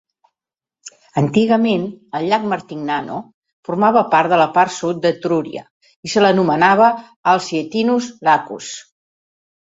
Antigament, el llac Martignano formava part de la part sud d'Etrúria i se l'anomenava Alsietinus Lacus.